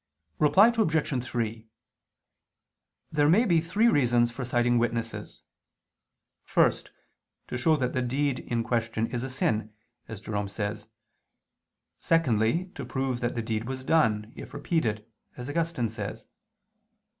Reply Obj. 3: There may be three reasons for citing witnesses. First, to show that the deed in question is a sin, as Jerome says: secondly, to prove that the deed was done, if repeated, as Augustine says (loc.